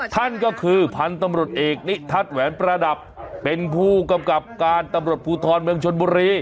ท่านก็คือพันธุ์ตำรวจเอกนิทัศน์แหวนประดับเป็นผู้กำกับการตำรวจภูทรเมืองชนบุรี